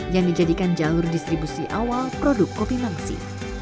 yang dijadikan jalur distribusi awal produk kopi mangsi